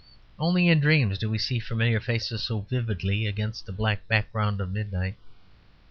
Only in dreams do we see familiar faces so vividly against a black background of midnight.